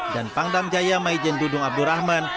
dan pangdam jaya maijen dudung abdurrahman